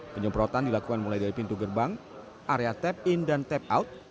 penyemprotan dilakukan mulai dari pintu gerbang area tap in dan tap out